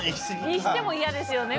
にしても嫌ですよね